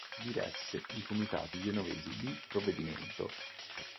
Diresse i Comitati Genovesi di Provvedimento.